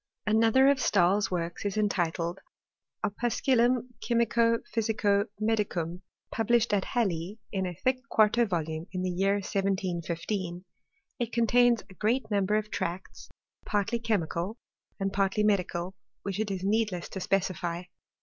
4nother of Stahl's works is entitled " Opusculum mico pbysico medic um," published at Halle in a thick quarto volume, in the year 1 715. It contains A great number of tracts, partly chemical and partly medical, which it is needless to specify.